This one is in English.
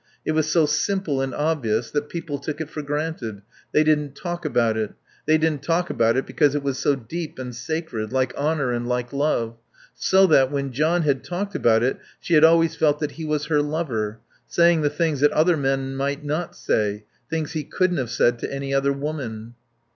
It was so simple and obvious that people took it for granted; they didn't talk about it. They didn't talk about it because it was so deep and sacred, like honour and like love; so that, when John had talked about it she had always felt that he was her lover, saying the things that other men might not say, things he couldn't have said to any other woman.